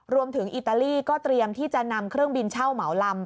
อิตาลีก็เตรียมที่จะนำเครื่องบินเช่าเหมาลำ